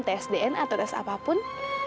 tes dn atau tes apapun